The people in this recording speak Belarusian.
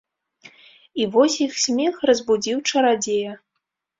І вось іх смех разбудзіў чарадзея.